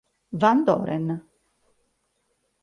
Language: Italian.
Van Doren